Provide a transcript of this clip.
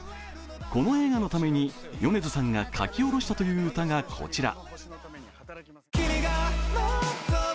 この映画のために米津さんが書き下ろしたという歌がこちら。